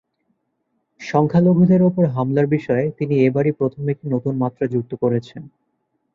সংখ্যালঘুদের ওপর হামলার বিষয়ে তিনি এবারই প্রথম একটি নতুন মাত্রা যুক্ত করেছেন।